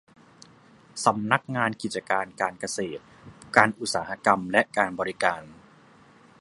สำนักงานกิจการการเกษตรการอุตสาหกรรมและการบริการ